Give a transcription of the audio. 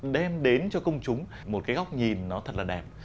đem đến cho công chúng một cái góc nhìn nó thật là đẹp